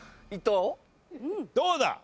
どうだ？